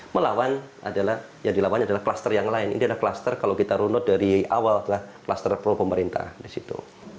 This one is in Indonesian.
melawan adalah yang dilawan adalah kluster yang lain ini adalah kluster kalau kita runut dari awal adalah kluster pro pemerintah di situ